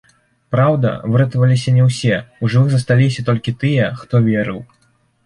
Праўда, выратаваліся не ўсе, у жывых засталіся толькі тыя, хто верыў.